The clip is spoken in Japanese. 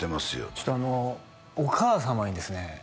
ちょっとお母様にですね